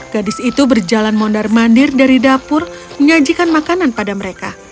gadis itu berjalan mondar mandir dari dapur menyajikan makanan pada mereka